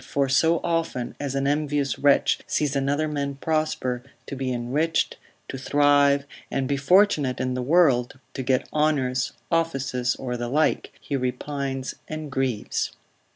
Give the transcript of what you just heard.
for so often as an envious wretch sees another man prosper, to be enriched, to thrive, and be fortunate in the world, to get honours, offices, or the like, he repines and grieves.